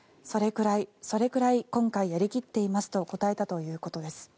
それくらい、それくらい今回やり切っていますと答えたということです。